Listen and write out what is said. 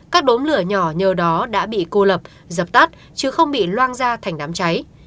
các đốm lửa nhỏ nhờ đó đã bị cô lập dập tắt chứ không bị loang ra thành đám cháy